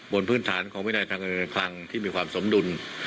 บนพื้นฐานของวินัยทางอื่นเหงื่อครั้งที่มีความสมดุล